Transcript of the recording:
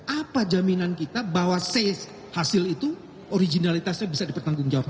apa jaminan kita bahwa hasil itu originalitasnya bisa dipertanggung jawab